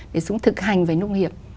để xuống thực hành với nông nghiệp